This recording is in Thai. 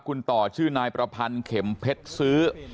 คุณต่อชื่อนายประพันธ์เข็มเพชรซื้อ